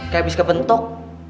kayak abis kepentok